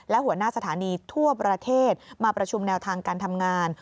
และหัวหน้าสถานีทั่วประเทศมาประชุมแนวทางการทำงาน